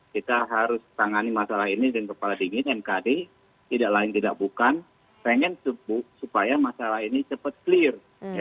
kita harus tangani masalah ini dengan kepala dingin mkd tidak lain tidak bukan pengen supaya masalah ini cepat clear